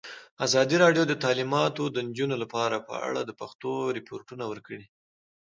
ازادي راډیو د تعلیمات د نجونو لپاره په اړه د پېښو رپوټونه ورکړي.